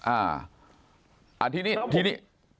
อ้าที่นี่พี่